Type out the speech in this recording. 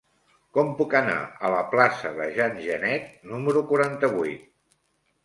Com puc anar a la plaça de Jean Genet número quaranta-vuit?